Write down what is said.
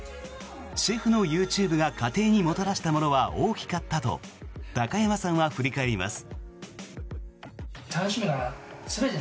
シェフのＹｏｕＴｕｂｅが家庭にもたらしたものは大きかったと高山さんは振り返ります。